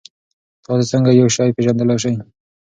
تاسې څنګه یو شی پېژندلای سئ؟